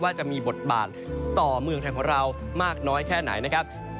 จะมีบทบาทต่อเมืองไทยของเรามากน้อยแค่ไหนนะครับ